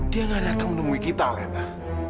dia gak datang menemui kita lena